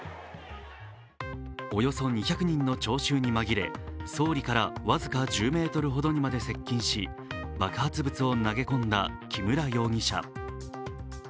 およそ２００人の徴収に紛れ総理から僅か１０ｍほどにまで接近し、爆発物を投げ込んだ木村容疑者。